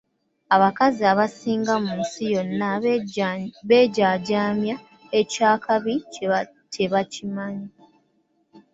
Abakazi abasinga mu nsi yonna beejaajaamya, eky’akabi tebakimanyi.